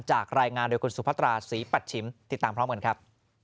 จากรายงานโดยคุณสุพัตราศรีปัชชิมติดตามพร้อมกันครับ